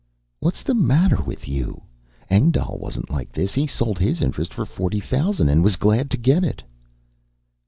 "What's the matter with you? Engdahl wasn't like this. He sold his interest for forty thousand and was glad to get it."